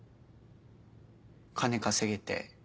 金稼げて。